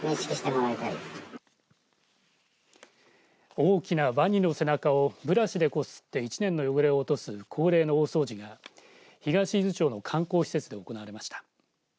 大きなわにの背中をブラシでこすって１年の汚れを落とす恒例の大掃除が東伊豆町の観光施設で行われました。